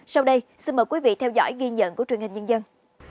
sau đây xin mời quý vị theo dõi ghi nhận của truyền hình nhân dân